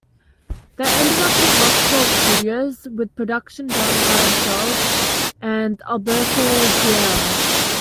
They ended up in Rocksoul Studios, with production done by themselves and Alberto Seara.